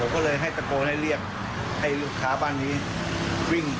ก็เลยให้ตะโกนให้เรียกให้ลูกค้าบ้านนี้วิ่ง